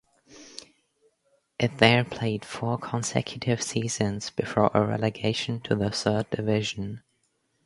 It there played four consecutive seasons before a relegation to the third division.